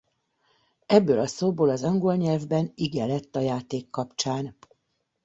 Ebből a szóból az angol nyelvben ige lett a játék kapcsán.